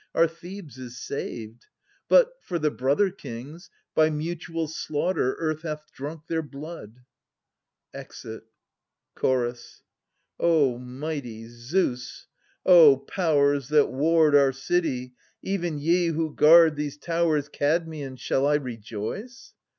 Our Thebes is saved ; but, for the brother kings, .820 By mutual slaughter earth hath drunk their blood. \ExiU Chorus. O mighty Zeus, O Powers that ward Our city, even ye who guard These towers Kadmeian, Shall I rejoice